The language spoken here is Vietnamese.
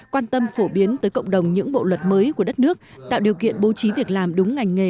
quan tâm phổ biến tới cộng đồng những bộ luật mới của đất nước tạo điều kiện bố trí việc làm đúng ngành nghề